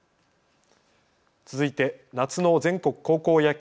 続いて夏の全国高校野球。